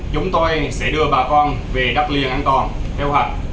chúng tôi sẽ đưa bà con về đắp liền an toàn theo hạch